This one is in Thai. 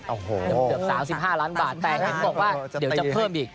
โอ้โหเกือบ๓๕ล้านบาทแต่เห็นบอกว่าเดี๋ยวจะเพิ่มอีก